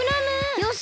よし！